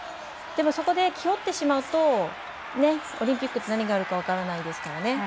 でも、そこで気負ってしまうとオリンピックって何があるか分からないですからね。